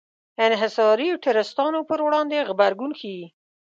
انحصاري ټرستانو پر وړاندې غبرګون ښيي.